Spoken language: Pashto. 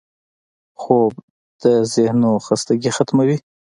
خوب د ذهنو خستګي ختموي